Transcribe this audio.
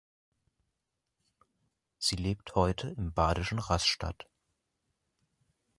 Sie lebt heute im badischen Rastatt.